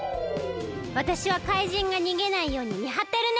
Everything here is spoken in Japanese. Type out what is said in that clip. わたしはかいじんがにげないようにみはってるね。